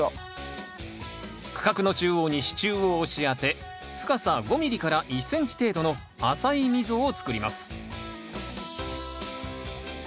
区画の中央に支柱を押し当て深さ５ｍｍ１ｃｍ程度の浅い溝をつくります